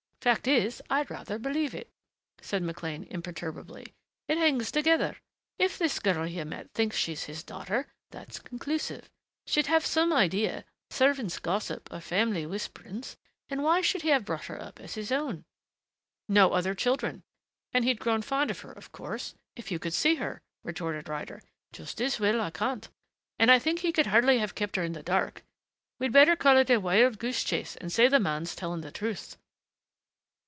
Fact is, I rather believe it," said McLean imperturbably. "It hangs together. If this girl you met thinks she's his daughter, that's conclusive. She'd have some idea servants' gossip or family whisperings.... And why should he have brought her up as his own?" "No other children. And he'd grown fond of her, of course. If you could see her!" retorted Ryder. "Just as well, I can't.... And I think he could hardly have kept her in the dark.... We'd better call it a wild goose chase and say the man's telling the truth."